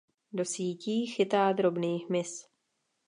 Do sítí chytá drobný hmyz.